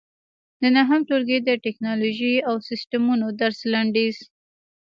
د نهم ټولګي د ټېکنالوجۍ او سیسټمونو درس لنډیز